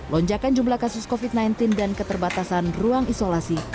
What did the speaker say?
lonjakan jumlah kasus covid sembilan belas dan keterbatasan ruang isolasi